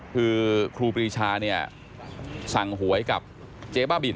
คือครูปีชาสั่งหวยกับเจ๊บ้าบิล